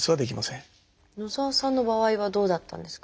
野澤さんの場合はどうだったんですか？